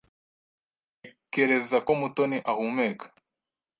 Ntekereza ko Mutoni ahumeka.